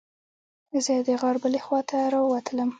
زه د غار بلې خوا ته راووتلم.